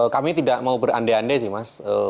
kami tidak mau berande ande sih mas